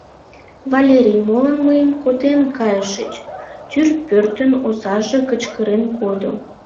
— Валерий, молан мыйым коден кайышыч? — тӱр пӧртын озаже кычкырен кодо.